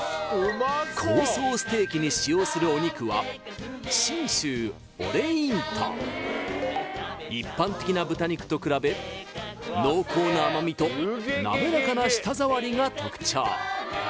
香草ステーキに使用するお肉は一般的な豚肉と比べ濃厚な甘みとなめらかな舌触りが特徴